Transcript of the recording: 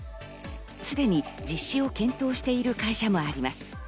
すでに実施を検討している会社もあります。